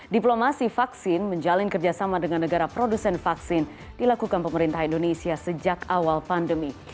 diplomasi vaksin menjalin kerjasama dengan negara produsen vaksin dilakukan pemerintah indonesia sejak awal pandemi